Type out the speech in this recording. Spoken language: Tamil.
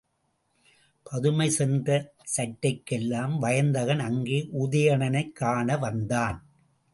பதுமை சென்ற சற்றைக்கெல்லாம் வயந்தகன் அங்கே உதயணனைக் காண வந்தான்.